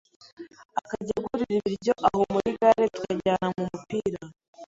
akajya angurira ibiryo aho muri gare, tukajyana mu mupira